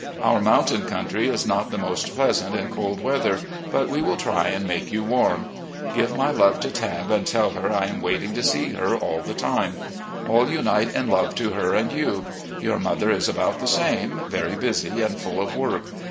Our mountain country is not the most pleasant in cold weather, but we will try and make you warm. Give my love to Tabb, and tell her I am wanting to see her all the time. AH unite in love to her and you. Your mother is about the same, very busy, and full of work.